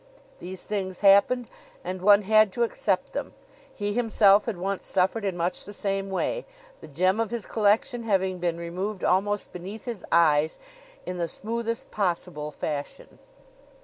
These things happened and one had to accept them. He himself had once suffered in much the same way, the gem of his collection having been removed almost beneath his eyes in the smoothest possible fashion.